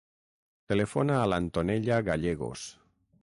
Telefona a l'Antonella Gallegos.